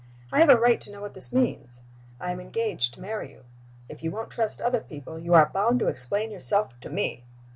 I have a right to know what this means. I am engaged to marry you. If you won't trust other people, you are bound to explain yourself to Me.